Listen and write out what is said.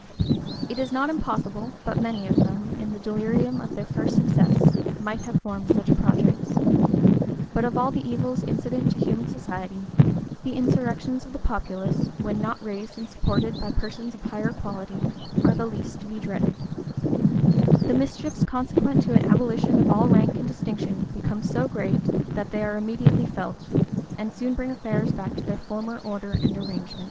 [] It is not impossible but many of them, in the delirium of their first success, might have formed such projects: but of all the evils incident to human society, the insurrections of the populace, when not raised and supported by persons of higher quality, are the least to be dreaded: the mischiefs consequent to an abolition of all rank and distinction become so great, that they are immediately felt, and soon bring affairs back to their former order and arrangement.